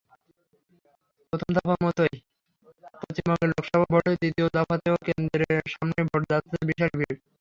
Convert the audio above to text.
প্রথম দফার মতোই পশ্চিমবঙ্গে লোকসভা ভোটের দ্বিতীয় দফাতেও কেন্দ্রের সামনে ভোটদাতাদের বিশাল ভিড়।